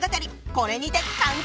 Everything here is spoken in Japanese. これにて完結！